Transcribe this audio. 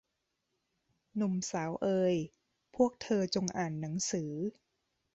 หนุ่มสาวเอย พวกเธอจงอ่านหนังสือ